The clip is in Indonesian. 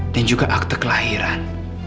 dan juga akte kelahiran